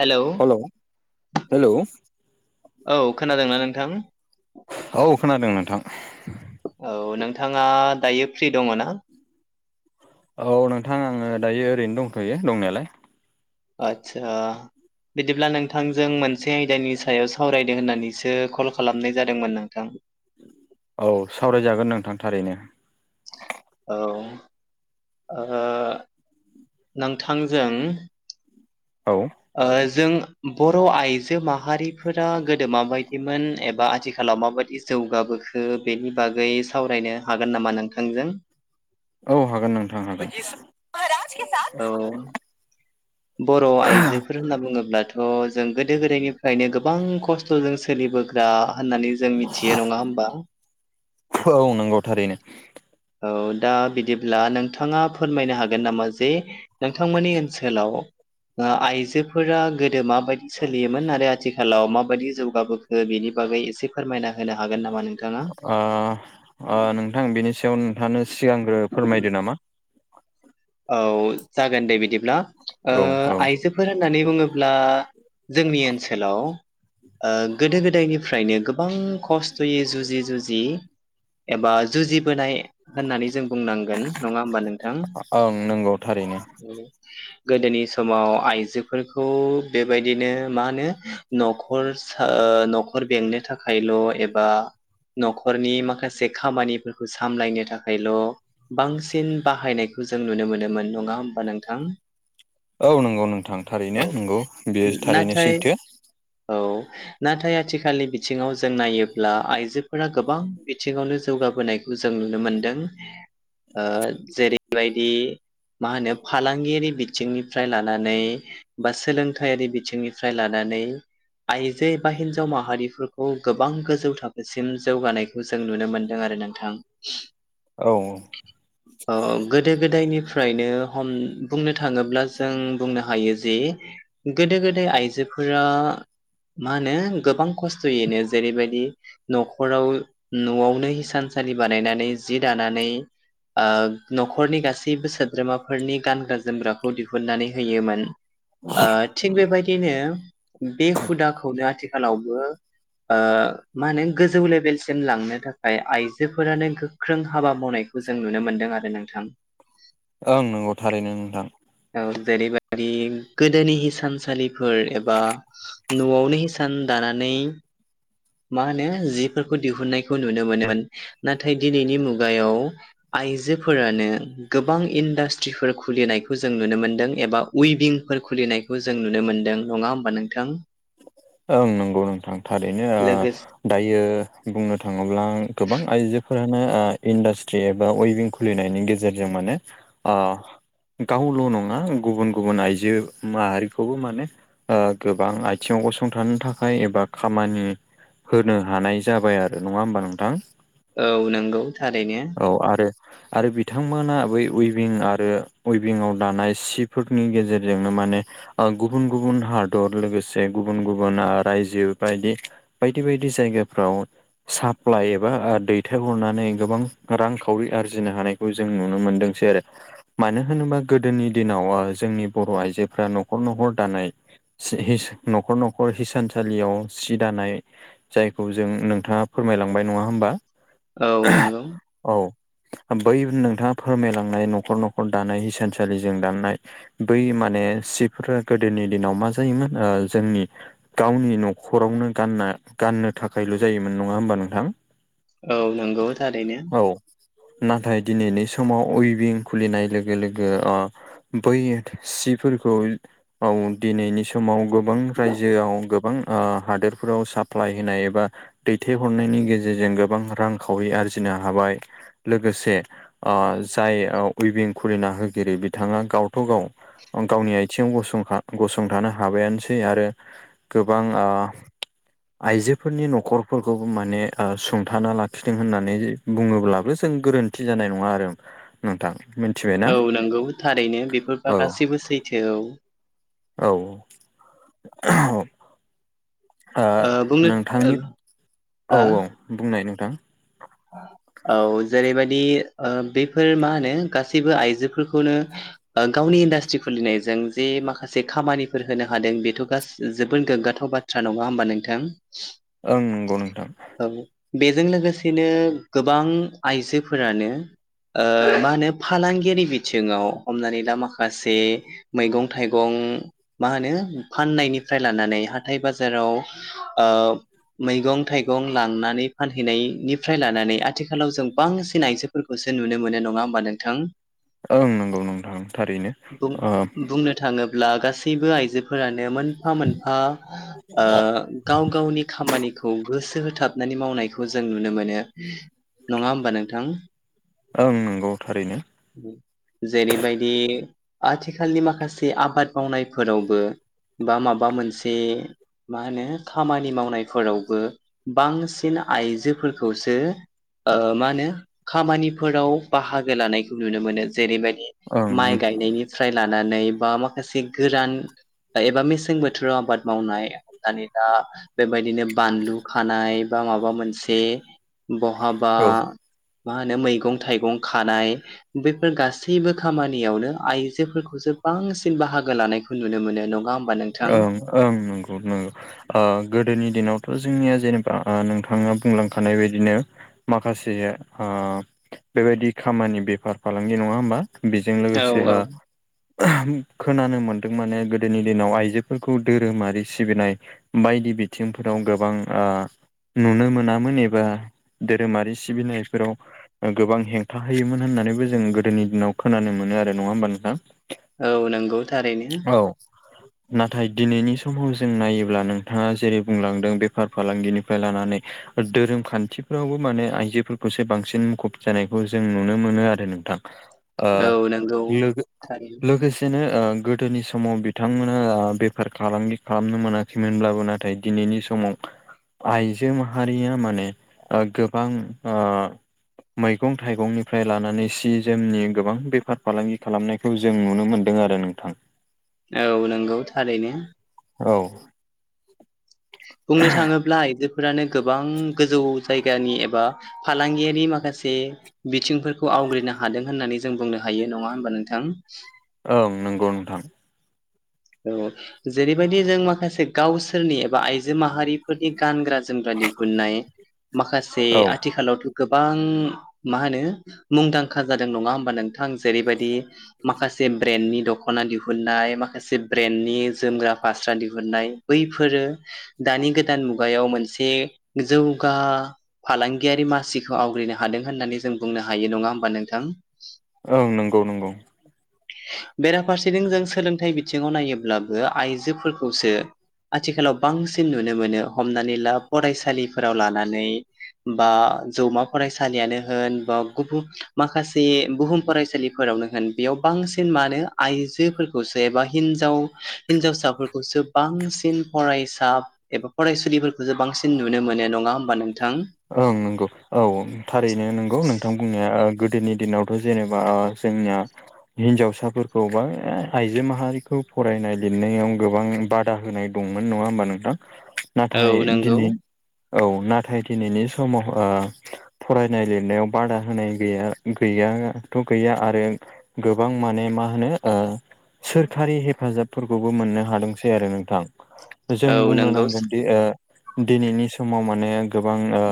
Hello औ hello औ खोनादोंना नोंथां? औ खोनादों नोंथां। औ नोंथाङा दायो फ्रि दङो ना? औ नोंथां आङो दायो ओरैनो दंथ'यो दंनायालाय। आदसा। बिदिब्ला नोंथांजों मोनसे आयदानि सायाव सावरायदो होननानैसो कल खालामनाय जादोंमोन नोंथां। औ सावराय जागोन नोंथां थारैनो। औ ओ नोंथां जों औ ओ जों बर' आइजो माहारिफोरा गोदो मा बायदिमोन एबा आथिखालाव माबायदि‌ जौगाबोखो बेनि बागै सावरायनो हागोन नामा नोंथांजों? औ हागोन नोंथां हागोन। औ बर' आइजोफोर होनना बुङोब्लाथ' जों गोदो गोदायनिफ्रायनो गोबां खस थ' जों सोलिबोग्रा होननानै जों मिथियो नङा होमबा? औ नंगौ थारैनो। औ दा बिदिब्ला नों थाङा फोरमायनो हागोन नामा जे नोंथांमोननि ओनसोलाव आ आइजोफोरा गोदो माबायदि सोलियोमोन आरो आथि खालाव माबायदि जौगाबोखो बेनि बागै एसे फोरमायना होनो हागोन नामा नोंथाङा। आ आ नोंथां बिनि सायाव नोंथाङानो सिगांग्रो फोरमायदो नामा? औ जागोन दे बिदिब्ला ओ औ औ आइजो फोर होननानै बुङोब्ला जोंनि ओनसोलाव ओ गोदो गोदायनिफ्रायनो गोबां खस्थ'यै जुजि जुजि एबा जुजिबोनाय होननानै जों बुंनांगोन नङा होमबा नोंथां। ओं नंगौ थारैनो। गोदोनि समाव आइजोफोरखौ बेबायदिनो मा होनो न'खर सा ओ न'खर बेंनो थाखायल' एबा न'खरनि माखासे खामानिफोरखौ सामलायनो थाखायल' बांसिन बाहायनायखौ जों नुनो मोनोमोन नङा होमबा नोंथां। औ नंगौ नोंथां थारैनो औ नंगौ बेयो थारैनो नाथाय सैथो। औ। नाथाय आथिखालनि बिथिङाव जों नायोब्ला आइजोफोरा गोबां बिथिङावनो जौगाबोनाय जों नुनो मोनदों ओ जेरैबायदि मा होनो फालांगियारि बिथिंनिफ्राय लानानै बा सोलोंथायारि बिथिंनिफ्राय लानानै आइजो एबा हिनजाव माहारिफोरखौ गोबां गोजौ थाखोसिम जौगानाय खौ जों नुनो मोन्दों आरो नोंथां। औ औ। अ गोदो गोदायनिफ्रायनो हम बुंनो थाङोब्ला जों बुंनो हायो जे गोदो गोदाय आइजोफोरा मा होनो गोबां खस्थ'यैनो जेरैबायदि न'खराव न'आवनो हिसानसालि बानायनानै जि दानानै ओ न'खरनि गासैबो सोद्रोमाफोरनि गानग्रा जोमग्राखौ दिहुननानै होयोमोन। ओ थिग बेबादिनो बे हुदाखौनो आथिखालावबो ओ मा होनो गोजौ लेभेलसिम लांनो थाखाय आइजोफोरानो गो ख्रों हाबा मावनायखौ जों नुनो मोनदों आरो नोंथां। ओं नंगौ थारैनो नोंथां। औ जेरैबायदि गोदोनि हिसानसालिफोर एबा न'आवनो हिसान दानानै मा होनो जिफोरखौ दिहुननायखौ नुनो मोनोमोन। नाथाय दिनैनि मुगायाव आइजोफोरानो गोबां इन्डास्ट्रिफोर खुलिनायखौ जों नुनो मोन्दों एबा उइभिंफोर खुलिनायखौ जों नुनो मोनदों नङा होमबा नोंथां? ओं नंगौ नोंथां थारैनो ओ लोगोसे दायो बुंनो थाङोब्ला गोबां आइजोफोरानो ओ इन्डास्ट्रि एबा वेभिं खुलिनायनि गेजेरजों माने आ गावल' नङा गुबुन गुबुन आइजो माहारिखौबो माने ओ गोबां आइ थिङाव गसंथानो थाखाय एबा खामानि होनो हानाय जाबाय आरो नङा होमबा नोंथां? औ नंगौ थारैनो। औ आरो आरो बिथांमोना बै उइभिं आरो उइभिंआव दानाय सिफोरनि गेजेरजोंनो माने ओ गुबुन गुबुन हादर लोगो से गुबुन गुबुन आ रायजो बायदि बायदि बायदि जायगाफ्राव साप्लाइ एबा ओ दैथायहरनानै गोबां रांखावरि आरजिनो हानाय खौ जों नुनो मोनदोंसै आरो मानो होनोबा गोदोनि दिनाव ओ जोंनि बर' आइजोफ्रा न'खर न'खर दानाय से हिस न'खर न'खर हिसानसालियाव सि दानाय जायखौ जों नोंथाङा फोरमायलांबाय नङा होमबा? औ नंगौ। औ बै नोंथाङा फोरमायलांनाय न'खर - न'खर दानाय हिसानसालिजों दानाय बै माने सिफोरा गोदोनि दिनाव मा जायोमोन जोंनि गावनि न'खरावनो गानना गाननो थाखायल' जायोमोन नङा होमबा नोंथां। औ नंगौ थारैनो। औ नाथाय दिनैनि समाव उइभिं खुलिनाय लोगो लोगो ओ बै सिफोरखौ औ दिनैनि समाव गोबां रायजोआव गोबां ओ हादोरफोराव साप्लाय होनाय एबा दैथायहरनायनि गेजेरजों गोबां रांखावरि आरजिनो हाबाय। लोगोसे ओ जाय उइभिं खुलिना होगिरि बिथाङा गावथ' गाव गावनि आथिङाव गंसं गसंथानो हाबायानोसै बे आरो गोबां ओ आइजोफोरनि न'खर फोरखौबो माने ओ सुंथाना लाखिदों होननानै बुङोब्लाबो जों गोरोन्थि जानाय नङा आरो। नोंथां मिथिबाय औ नंगौ थारैनो बेफोरबा गासैबो सैथो औ औ। औ [unintelligible] ओ बुंनो ओ नोंथांनि औ हा औ बुंनाय नोंथां। औ जेरैबायदि ओ बेफोर मा होनो गासैबो आइजोफोरखौनो ओ गावनि इन्डास्ट्रि खुलिनायजों जे माखासे खामानिफोर होनो हादों बेथ' गासै जोबोद गोग्गाथाव बाथ्रा बाथ्रा नङा होमबा नोंथां। ओं नंगौ नोंथां। औ बेजों लोगोसेनो गोबां आइजोफोरानो ओ मा होनो फालांगियारि बिथिङाव हमनानै ला माखासे मैगं - थाइगं मा होनो फाननायनिफ्राय लानानै हाथाय बाजाराव ओ मैगं - थाइगं लांनानै फानहैनायनि फ्राय लानानै आथिखालाव जों बांसिन आइजोफोरखौसो नुनो मोनो नङा होमबा नोंथां। ओं नंगौ नोंथां थारैनो बुं ओ बुंनो थाङोब्ला गासैबो आइजोफोरानो मोनफा - मोनफा ओ गाव गावनि खामानिखौ गोसो होथाबनानै मावनायखौ जों नुनो मोनो। नङा होमबा नोंथां। औ नंगौ थारैनो। [inaudible] जेरैबायदि आथिखालनि माखासे आबाद मावनायफोरावबो बा माबा मोनसे मा होनो खामानि मावनायफोरावबो बांसिन आइजोफोरखौसो ओ मा होनो खामानिफोराव बाहागो लानायखौ नुनो मोनो जेरैबायदि ओं माइ गायनायनिफ्राय लानानै बा माखासे गोरान एबा मेसें बोथोराव आबाद मावनाय दानि दा बेबायदिनो बानलु खानाय बा माबा मोनसे बहाबा औ मा होनो मैगं - थाइगं खानाय बैफोर गासैबो खामानियावनो आइजोफोरखौसो बांसिन बाहागो लानायखौ नुनो मोनो नङा होमबा नों ओं ओं नोंगौ नों ओ गोदोनि दिनावथ' जोंनिया जेनेबा ओ नोंथाङा बुंलांखानाय बायदिनो माखासे ओ बेबायदि खामानि बेफार फालांगि नङा होमबा? बिजों औ लोगोसे औ ओ खोनानो मोनदों माने गोदोनि दिनाव आइ बेफोरखौ धोरोमारि सिबिनाय बायदि बिथिंफोराव गोबां ओ नुनो मोनामोन एबा धोरोमारि सिबिनायफोराव ओ गोबां हेंथा होयोमोन होननानैबो जों गोदोनि दिनाव खोनानो मोनो आरो नङा होमबा नोंथां? औ नंगौ थारैनो। औ नाथाय दिनैनि समाव जों नायोब्ला नोंथाङा जेरै बुंलांदों बेफार फालांगिनिफ्राय लानानै ओ धोरोम खान्थिफोरावबो माने आइजोफोरखौसो बांसिन मुखुब जानायखौ जों नुनो मोनो आरो नोंथां। ओ औ नंगौ लोगो थारैनो लोगोसेनो ओ गोदोनि समाव बिथांमोन ओ बेफार फालांगि खालामनो मोनाखैमोनब्लाबो नाथाय दिनैनि समाव आइजो माहारिया माने ओ गोबां ओ मैगं थाइगंनिफ्राय लानानै सि जोमनि गोबां बेफार फालांगि खालामनाय खौ जों नुनो मोन्दों आरो नोंथां। औ नोंगौ थारैनो। औ बुंनो थाङोब्ला आइजोफोरानो गोबां गोजौ जायगानि एबा फालांगियारि माखासे बिथिंफोरखौ आवग्रिनो हादों होननानै जों बुंनो हायो नङा होमबा नोंथां? ओं नंगौ नोंथां। औ जेरैबायदि जों माखासे गावसोरनि एबा आइजो माहारिफोरनि गानग्रा जोमग्रा दिहुननाय माखासे औ आथिखालावथ' गोबां मा होनो मुंदांखा जादों नङा होमबा नों थां जेरैबादि माखासे ब्रेन्डनि दख'ना दिहुननाय माखासे ब्रेन्डनि जोमग्रा फास्रा दिहुननाय बैफोरो दानि गोदान मुगायाव मोनसे जौगा फालांगियारि मासिखौ आवग्रिनो हादों होननानै जों बुंनो हायो नङा होमबा नोंथां? ओं नंगौ नंगौ। बेराफारसेथिं जों सोलोंथाइ बि थिङाव नायोब्लाबो आइजोफोरखौसो आथिखालाव बांसिन नुनो मोनो हमनानै ला फरायसालिफोराव लानानै बा जौमा फरायसालियानो होन बा गुबुन माखासे बुहुम फरायसालि फोरावनो होन बेयाव बांसिन मानो आइजोफोरखौसो एबा हिनजाव हिनजावसाफोरखौसो बांसिन फरायसा एबा फरायसुलिफोरखौसो बांसिन नुनो मोनो नङा होमबा नोंथां? ओं नोंगौ औ औ थारैनो नोंगौ नोंथां बुंनाया ओ गोदोनि दिनावथ' जेनेबा आ जोंनिया हिन्जावसाफोरखौ बा ए आइजो माहारिखौ फरायनाय लिरनायाव गोबां बाद दा होनाय दंमोन नङा होमबा नोंथां नाथाय औ नंगौ दिनै औ नाथाय दिनैनि समाव ओ फरायनाय लिरनायाव बादा होनाय गैया गैयाथ' गैया आरो गोबां माने मा होनो ओ सोरखारि हेफाजाबफोरखौबो मोननो हादोंसै आरो नोंथां। जों औ बुंनो नंगौ नांगोनदि ओ दिनैनि समाव माने गोबां ओ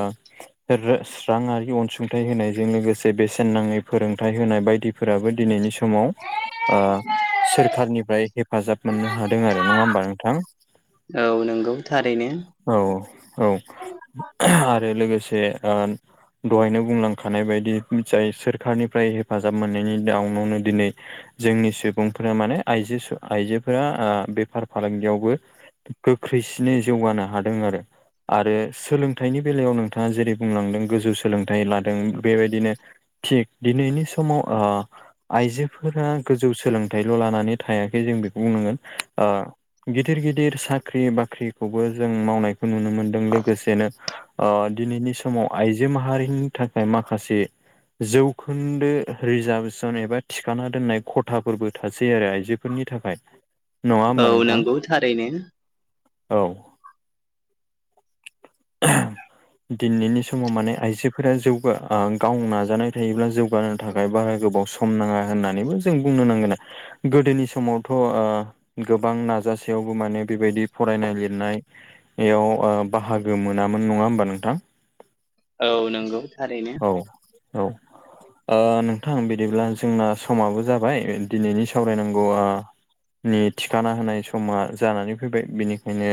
[unintelligible] राङारि अनसुंथाइ होनायजों लोगोसे बेसेन नाङै फोरोंथाइ होनाय बायदि फोराबो दिनैनि समाव ओ सोरखारनिफ्राय हेफाजाब मोननो हादों आरो नङा होमबा नोंथां औ नंगौ थारैनो औ औ औ आरो लोगोसे ओन दहायनो बुंलांखानाय बायदि [unintelligible] सोरखारनिफ्राय हेफाजाब मोननायनि जाहुनावनो दिनै जोंनि सुबुंफोरा माने आइजो सो आइजोफोरा आ बेफार फालांगियावबो गोख्रैसिनै जौगानो हादों आरो आरो सोलों थायनि बेलायाव नोंथाङा जेरै बुंलांदों गोजौ सोलोंथाइ लादों बेबायदिनो थिग दिनैनि समाव ओ आइजोफोरा गोजौ सोलोंथाइल' लानानै थायाखै जों बेखौ बुंनांगोन ओ गिदिर गिदिर साख्रि बाख्रिखौबो जों मावनायखौ नुनो मोन्दों लोगोसेनो ओ दिनैनि समाव आइजो माहारिनि थाखाय माखासे जौखोन्दो रिजारभेसन एबा थिखाना दोननाय खथाफोरबो थासै आरो आइजोफोरनि थाखाय नङा औ होमबा नोंथां नंगौ [unintelligible] औ दिनैनि समाव माने आयजोफोरा जौगा आं गावनो नाजानाय थायोब्ला जौगा थाखाय बारा गोबाव सम नाङा होननानैबो जों बुंनो नांगोन गोदोनि समावथ' ओ गोबां नाजासेयावबो माने बेबायदि फरायनाय लिरनायाव [unintelligible] ओ बाहागोमोन नामोन नङा होमबा नोंथां। औ नंगौ थारैनो औ औ ओ नोंथां बिदिब्ला जोंना समाबो जाबाय दिनैनि सावरायनांगौआ नि थिखाना होनाय समा जानानै फैबाय बिनिखायनो।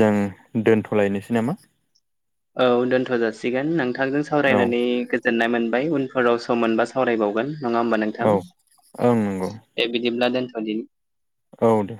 जों दोनथ'लायनोसै नामा? औ दोनथ' जासिगोन नोंथांजों औ सावरायनानै गो गोजोननाय मोनबाय उनफोराव सम मोनबा सावरायबावगोन नङा होमबा नों औ ओ नंगौ। दे बिदिब्ला दोनथ'दिनि, औ दे